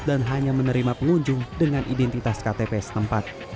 dan hanya menerima pengunjung dengan identitas ktp setempat